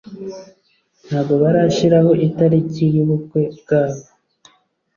Ntabwo barashiraho itariki yubukwe bwabo.